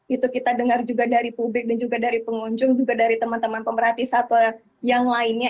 itu kita dengar juga dari publik dan juga dari pengunjung juga dari teman teman pemerhati satwa yang lainnya